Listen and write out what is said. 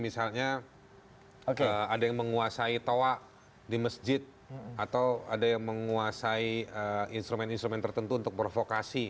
misalnya ada yang menguasai toa di masjid atau ada yang menguasai instrumen instrumen tertentu untuk provokasi